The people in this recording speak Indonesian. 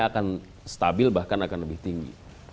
akan stabil bahkan akan lebih tinggi